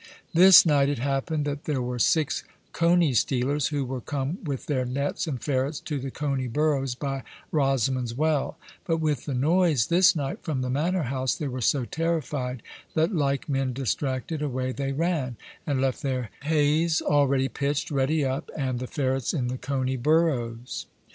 This night it happened that there were six cony stealers, who were come with their nets and ferrets to the cony burrows by Rosamond's Well; but with the noise this night from the Mannor house, they were so terrified, that like men distracted away they ran, and left their haies all ready pitched, ready up, and the ferrets in the cony burrows.